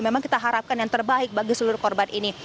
memang kita harapkan yang terbaik bagi seluruh korban ini